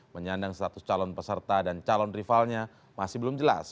menyandang status calon peserta dan calon rivalnya masih belum jelas